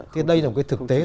thì đây là một cái thực tế